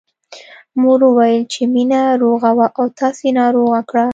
مور وويل چې مينه روغه وه او تاسې ناروغه کړه